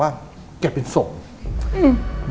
บางคนก็สันนิฐฐานว่าแกโดนคนติดยาน่ะ